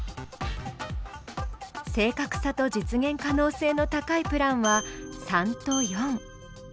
正確さと実現可能性の高いプランは３と４。